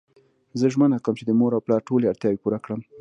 زه ژمنه کوم چی د مور او پلار ټولی اړتیاوی پوره کړم